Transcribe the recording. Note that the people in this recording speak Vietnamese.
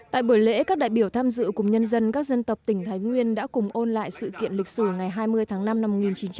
tại buổi lễ các đại biểu tham dự cùng nhân dân các dân tộc tỉnh thái nguyên đã cùng ôn lại sự kiện lịch sử ngày hai mươi tháng năm năm một nghìn chín trăm bảy mươi